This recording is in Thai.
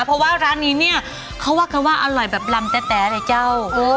เพราะว่าร้านนี้เนี่ยเขาว่ากันว่าอร่อยแบบลำแต๋เลยเจ้า